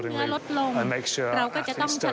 และว่านักกีฬาต้องค่อยกัน